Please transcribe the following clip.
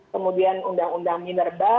kemudian undang undang minerba